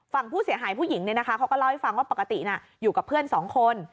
ฝั่งผู้เสียหายผู้หญิงเขาก็เล่าให้ฟังว่าปกติอยู่กับเพื่อนสองคน